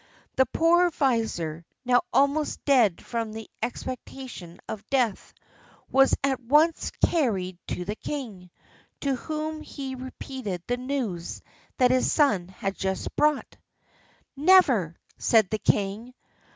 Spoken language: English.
The poor vizier, now almost dead from the expectation of death, was at once carried to the king, to whom he repeated the news that his son had just brought. "Never!" said the king.